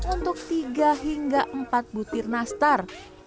untuk tiga hingga empat butir nastar